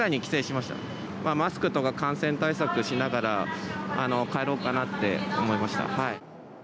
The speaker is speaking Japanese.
まあマスクとか感染対策しながら帰ろうかなって思いました。